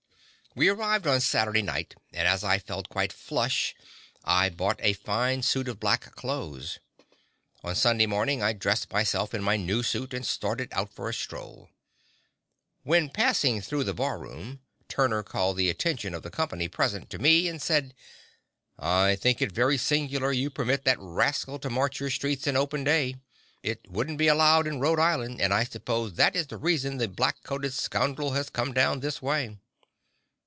We arrived on Saturday night and as I felt quite "flush" I bought a fine suit of black clothes. On Sunday morning I dressed myself in my new suit and started out for a stroll. While passing through the bar room Turner called the attention of the company present to me and said: "I think it very singular you permit that rascal to march your streets in open day. It wouldn't be allowed in Rhode Island, and I suppose that is the reason the black coated scoundrel has come down this way."